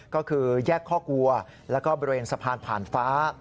ก็คือแยกคอกวัวแล้วก็บริเวณสะพานผ่านฟ้า